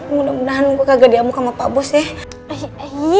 mudah mudahan gue kagak diamu sama pak bos ya